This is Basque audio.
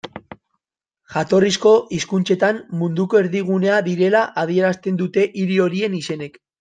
Jatorrizko hizkuntzetan, munduko erdigunea direla adierazten dute hiri horien izenek.